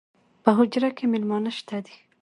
پۀ حجره کې میلمانۀ شته دي